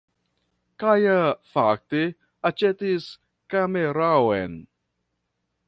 Kaja fakte aĉetis kameraon